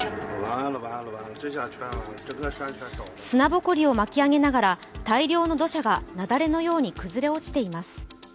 砂ぼこりを巻き上げながら大量の土砂が雪崩のように崩れ落ちています。